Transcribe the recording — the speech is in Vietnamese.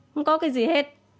không có cái gì hết